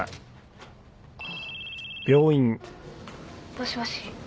もしもし？